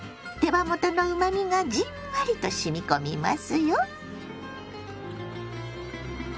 手羽元のうまみがじんわりとしみ込みますよ。